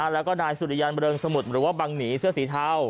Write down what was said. แล้วก็นายสุริยันเริงสมุทรหรือว่าบังหนีเสื้อสีเทา